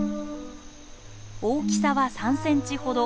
大きさは３センチほど。